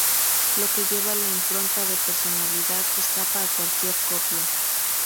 Lo que lleva la impronta de personalidad escapa a cualquier copia.